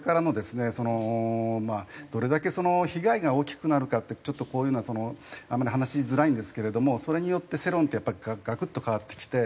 そのまあどれだけ被害が大きくなるかってちょっとこういうのはあんまり話しづらいんですけれどもそれによって世論ってやっぱりがくっと変わってきて。